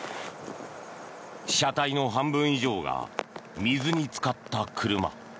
車体の半分以上が水につかった車。